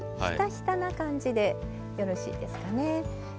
ひたひたな感じでよろしいですかね。